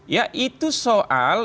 ya itu soal